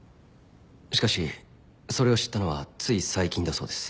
しかしそれを知ったのはつい最近だそうです。